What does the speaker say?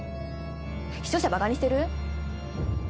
視聴者バカにしてる？